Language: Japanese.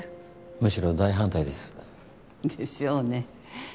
むしろ大反対です。でしょうね。